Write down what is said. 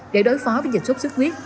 để đối phó với dịch sốt sức khuyết